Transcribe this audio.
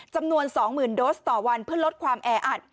จำนวน๒๐๐๐โดสต่อวันเพื่อลดความแออัด